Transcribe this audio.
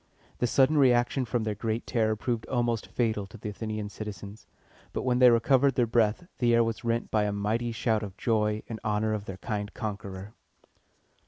The sudden reaction from their great terror proved almost fatal to the Athenian citizens. But when they recovered their breath, the air was rent by a mighty shout of joy in honor of the kind conqueror.